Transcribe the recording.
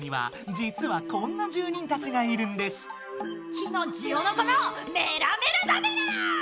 火のジオノコの「メラメラ」だメラ！